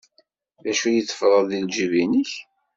D acu ay teffreḍ deg ljib-nnek?